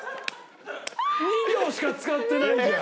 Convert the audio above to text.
２秒しか使ってないじゃん！